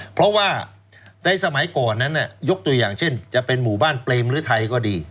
เพราะว่าในสมัยก่อนนั้นยกตัวอย่างเช่นจะเป็นหมู่บ้านเปรมหรือไทยก็ดี